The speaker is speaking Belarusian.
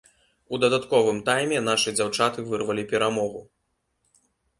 У дадатковым тайме нашы дзяўчаты вырвалі перамогу.